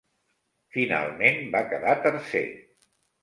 Finalment va quedar tercer.